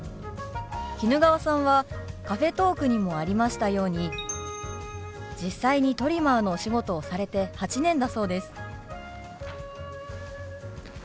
衣川さんはカフェトークにもありましたように実際にトリマーのお仕事をされて８年だそうです。